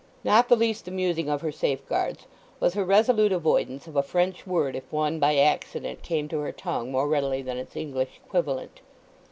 Not the least amusing of her safeguards was her resolute avoidance of a French word if one by accident came to her tongue more readily than its English equivalent.